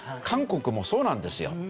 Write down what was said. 韓国もそうなんですよ。